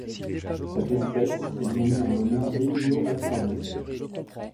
Cette espèce est nommée en l'honneur d'Emilio Alfaro.